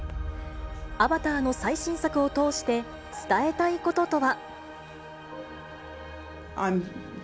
アバターの最新作を通して、伝えたいこととは。